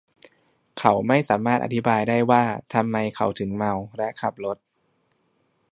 เขาไม่สามารถอธิบายได้ว่าทำไมเขาถึงเมาและขับรถ